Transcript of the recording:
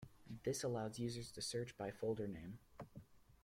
This allows users to search by folder name.